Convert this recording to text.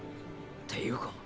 っていうか